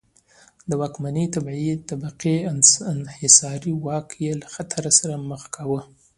د واکمنې طبقې انحصاري واک یې له خطر سره مخ کاوه.